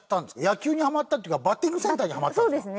野球にハマったっていうかバッティングセンターにハマったのか。